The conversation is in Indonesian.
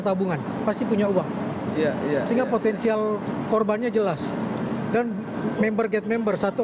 tabungan pasti punya uang ya sehingga potensial korbannya jelas dan member get member satu